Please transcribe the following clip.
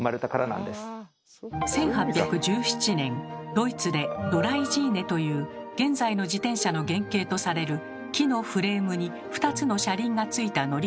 １８１７年ドイツで「ドライジーネ」という現在の自転車の原型とされる木のフレームに２つの車輪がついた乗り物がつくられました。